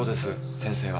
先生は。